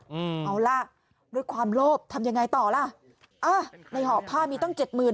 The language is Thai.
อืมเอาล่ะด้วยความโลภทำยังไงต่อล่ะอ่าในห่อผ้ามีตั้งเจ็ดหมื่น